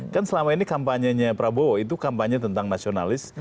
kan selama ini kampanyenya prabowo itu kampanye tentang nasionalis